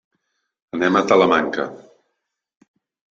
Anem a Talamanca.